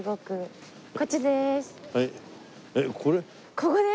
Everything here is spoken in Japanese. ここです。